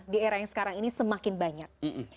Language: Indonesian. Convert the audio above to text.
di era yang sekarang ini semakin banyak